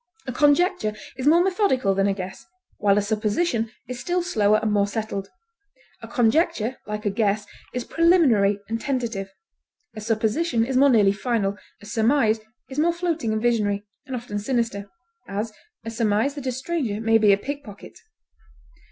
A conjecture is more methodical than a guess, while a supposition is still slower and more settled; a conjecture, like a guess, is preliminary and tentative; a supposition is more nearly final; a surmise is more floating and visionary, and often sinister; as, a surmise that a stranger may be a pickpocket.